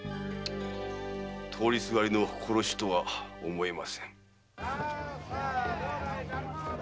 通りすがりの殺しとは思えません。